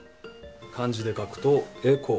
漢字で書くと「栄光」